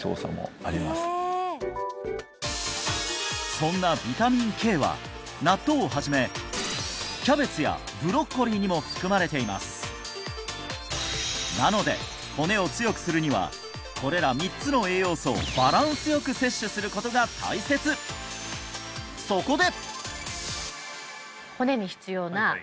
そんなビタミンＫは納豆をはじめキャベツやブロッコリーにも含まれていますなので骨を強くするにはこれら３つの栄養素をバランスよく摂取することが大切そこで！